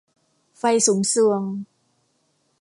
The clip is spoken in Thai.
ไฟสุมทรวง